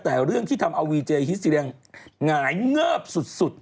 แต่เรื่องที่ทำเอาวีเจฮิสซีเรียงหงายเงิบสุด